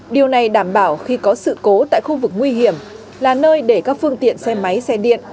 điều này đảm bảo khi có sự cố tại khu vực nguy hiểm là nơi để các phương tiện xe máy xe điện